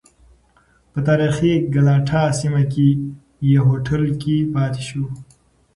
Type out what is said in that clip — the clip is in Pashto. په تاریخی ګلاټا سیمه کې یې هوټل کې پاتې شو.